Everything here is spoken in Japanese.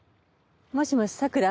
もしもし桜？